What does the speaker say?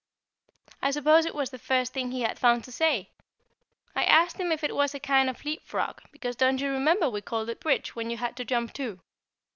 I suppose it was the first thing he had found to say! I asked him if it was a kind of leapfrog; because don't you remember we called it "Bridge" when you had to jump two?